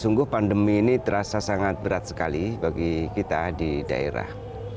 sungguh pandemi ini terasa sangat berat sekali bagi kita di daerah